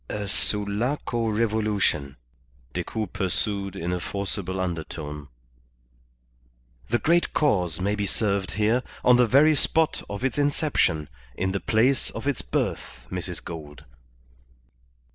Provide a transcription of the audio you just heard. "A Sulaco revolution," Decoud pursued in a forcible undertone. "The Great Cause may be served here, on the very spot of its inception, in the place of its birth, Mrs. Gould."